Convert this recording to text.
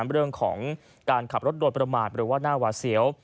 เรื่องของการขับรถโดยประมาทหรือว่าหน้าหวาเสียว